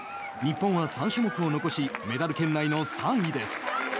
日本は３種目を残しメダル圏内の３位です。